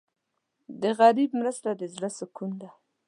د غریب مرسته د زړه سکون ده.